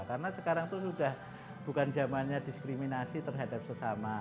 karena sekarang itu sudah bukan zamannya diskriminasi terhadap sesama